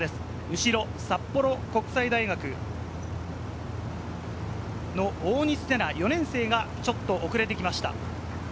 後ろ、札幌国際大学の大西世那、４年生がちょっと遅れてきました。